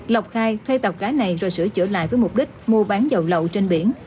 lộc khai thuê tàu cá này rồi sửa chữa lại với mục đích mua bán dầu lậu trên biển